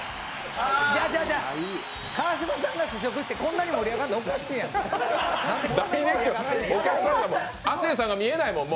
川島さんが試食して、こんなに盛り上がるのおかしいやん。